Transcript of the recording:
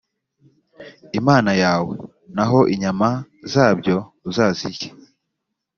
imana yawe, naho inyama zabyo uzazirye.